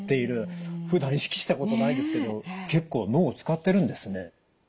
ふだん意識したことないですけど結構脳を使ってるんですね。